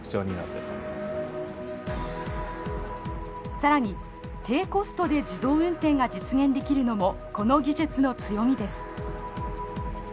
更に低コストで自動運転が実現できるのもこの技術の強みです。